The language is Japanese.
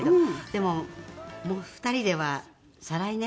でも２人では再来年？